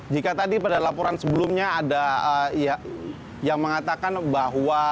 jika tadi pada laporan sebelumnya ada yang mengatakan bahwa